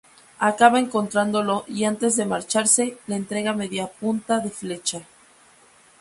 Acaba encontrándolo, y antes de marcharse, le entrega media punta de flecha.